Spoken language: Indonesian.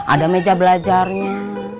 ada meja belajarnya